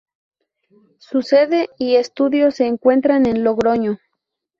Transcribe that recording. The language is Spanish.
Su sede y estudios se encuentran en Logroño.